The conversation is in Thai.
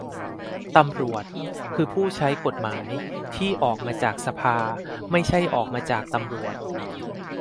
ตำรวจ คือ ผู้ใช้กฎหมาย ที่ออกมาจากสภา ไม่ใช่ออกมาจากตำรวจ